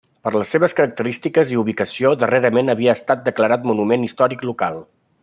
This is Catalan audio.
Per les seves característiques i ubicació darrerament havia estat declarat monument històric local.